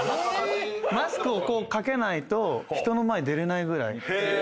マスクを掛けないと人の前出れないぐらい。